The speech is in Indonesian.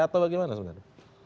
atau bagaimana sebenarnya